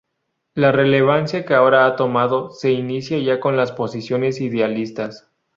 La relevancia que ahora ha tomado se inicia ya con las posiciones idealistas.